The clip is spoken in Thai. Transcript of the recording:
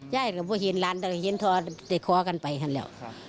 ยายก็ไม่เห็นหลานแต่เห็นท้อเต็กขอกันไปกันแล้ว